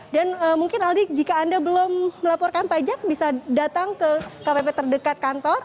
dan mungkin aldi jika anda belum melaporkan pajak bisa datang ke kpp terdekat kantor